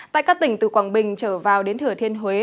tại các tỉnh từ quảng bình trở vào đến thừa thiên huế